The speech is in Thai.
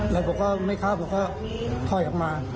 แล้วผมก็ไม่ครับผมก็ถอยออกมา